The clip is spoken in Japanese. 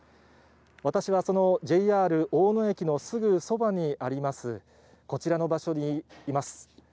私はそのＪＲ大野駅のすぐそばにあります、こちらの場所にいます。